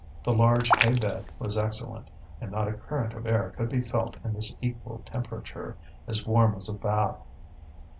The large hay bed was excellent, and not a current of air could be felt in this equal temperature, as warm as a bath.